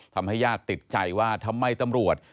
ทำให้ญาติติดใจว่าทำไมตำรวจ